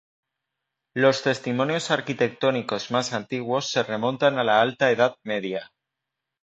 Los testimonios arquitectónicos más antiguos se remontan a la Alta Edad Media.